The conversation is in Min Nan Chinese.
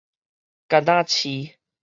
矸仔飼